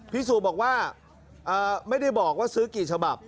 สุบอกว่าไม่ได้บอกว่าซื้อกี่ฉบับ